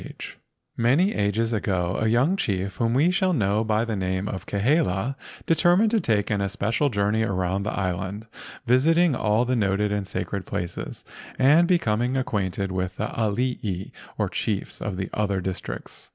THE GHOST OF WAHAULA TEMPLE 7 Many ages ago a young chief whom we shall know by the name Kahele determined to take an especial journey around the island visiting all the noted and sacred places and becoming acquainted with the alii, or chiefs, of the other districts.